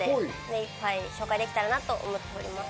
いっぱい紹介できたらなと思います。